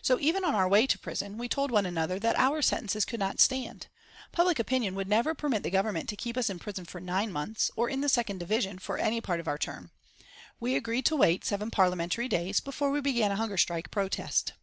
So, even on our way to prison, we told one another that our sentences could not stand. Public opinion would never permit the Government to keep us in prison for nine months, or in the second division for any part of our term. We agreed to wait seven Parliamentary days before we began a hunger strike protest.